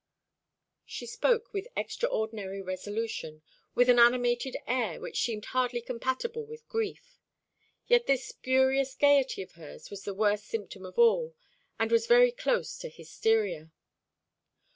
She spoke with extraordinary resolution, with an animated air which seemed hardly compatible with grief. Yet this spurious gaiety of hers was the worst symptom of all, and was very close to hysteria.